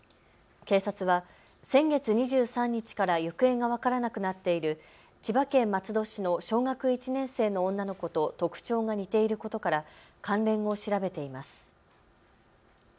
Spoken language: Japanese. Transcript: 警察は先月２３日から行方が分からなくなっている千葉県松戸市の小学１年生の女の子と特徴が似ていることから関連を調べています。